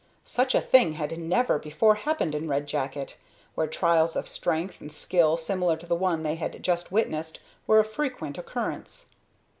Such a thing had never before happened in Red Jacket, where trials of strength and skill similar to the one they had just witnessed were of frequent occurrence.